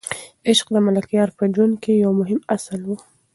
عشق د ملکیار په ژوند کې یو مهم اصل و.